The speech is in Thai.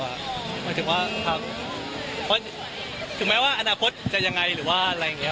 หมายถึงว่าเพราะถึงแม้ว่าอนาคตจะยังไงหรือว่าอะไรอย่างนี้